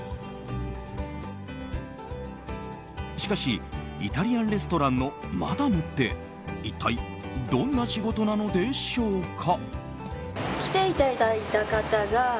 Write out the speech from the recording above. しかし、イタリアンレストランのマダムって一体どんな仕事なのでしょうか。